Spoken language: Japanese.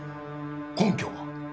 根拠は？